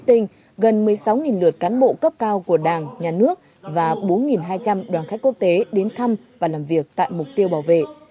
tỉnh gần một mươi sáu lượt cán bộ cấp cao của đảng nhà nước và bốn hai trăm linh đoàn khách quốc tế đến thăm và làm việc tại mục tiêu bảo vệ